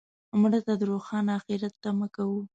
مړه ته د روښانه آخرت تمه کوو